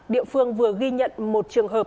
địa phương vừa ghi nhận một trường hợp